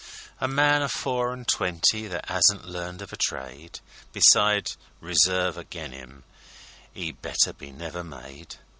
A man o' four an' twenty that 'asn't learned of a trade Beside âReserveâ agin' him 'e'd better be never made.